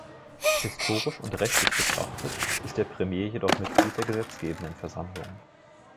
Historisch und rechtlich betrachtet ist der Premier jedoch Mitglied der gesetzgebenden Versammlung.